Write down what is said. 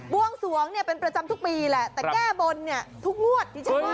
บวงศวงเป็นประจำทุกปีดีแต่แก้บลทุกนวถ